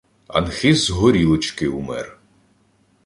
Анхиз з горілочки умер.